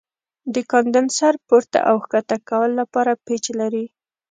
د کاندنسر پورته او ښکته کولو لپاره پیچ لري.